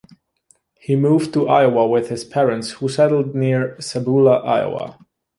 He moved to Iowa with his parents, who settled near Sabula, Iowa.